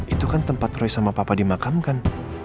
itu kan tempat roy sama papa dimakamkan